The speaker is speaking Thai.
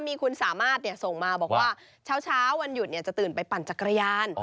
มีคุณสามารถส่งมาบอกว่าเช้าวันหยุดจะตื่นไปปั่นจักรยาน